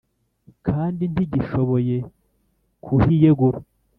kandi ntigishoboye kuhiyegura.